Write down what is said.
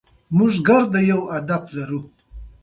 موږ ټولو ته يو هدف لرو.